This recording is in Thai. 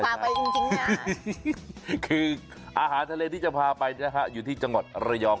ใช่คืออาหารทะเลที่จะพาไปอยู่ที่จังหวัดเรยอง